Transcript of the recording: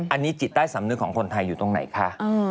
อันนี้จิตใต้สำนึกของคนไทยอยู่ตรงไหนคะ